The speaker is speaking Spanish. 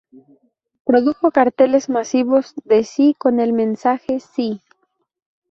Produjo carteles masivos de "Sí" con el mensaje "¡Sí!